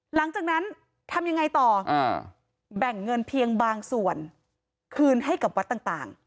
หลังจากนั้นทำยังไงต่อแบ่งเงินเพียงบางส่วนคืนให้กับวัดต่าง